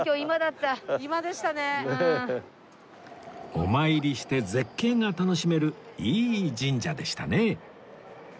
お参りして絶景が楽しめるいい神社でしたね